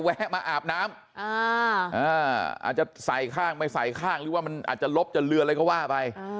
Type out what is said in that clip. แวะมาอาบน้ำอาจจะใส่ข้างไม่ใส่ข้างหรือว่ามันอาจจะลบจะเรืออะไรก็ว่าไป